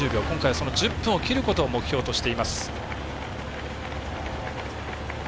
今回はその１０分を切ることを目標としています。